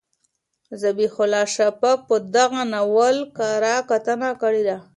ذبیح الله شفق په دغه ناول کره کتنه کړې ده.